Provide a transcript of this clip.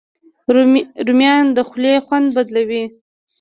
رومیان د خولې خوند بدلوي